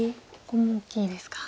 ここも大きいですか。